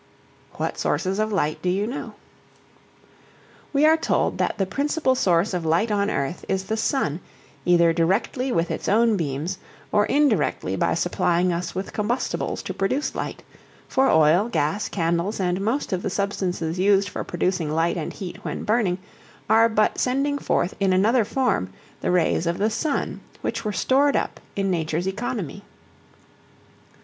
What sources of light do you know? We are told that the principal source of light on earth is the sun, either directly with its own beams or indirectly by supplying us with combustibles to produce light; for oil, gas, candles, and most of the substances used for producing light and heat when burning are but sending forth in another form the rays of the sun which were stored up in nature's economy.